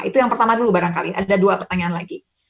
itu yang pertama dulu barangkali ada dua pertanyaan lagi